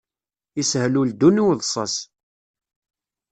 Yeshel uldun i uḍsas.